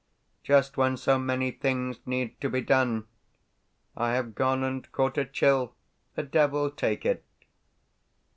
Just when so many things need to be done, I have gone and caught a chill, the devil take it!